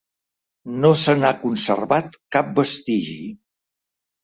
No se n'ha conservat cap vestigi.